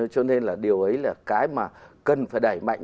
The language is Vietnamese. cho nên là điều ấy là cái mà cần phải đẩy mạnh